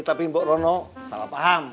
tapi mbok rono salah paham